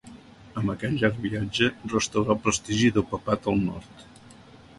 Amb aquest llarg viatge, restaurà el prestigi del papat al nord.